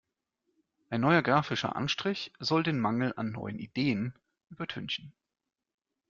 Ein neuer grafischer Anstrich soll den Mangel an neuen Ideen übertünchen.